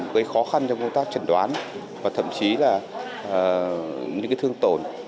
cái khó khăn trong công tác chẩn đoán và thậm chí là những cái thương tổn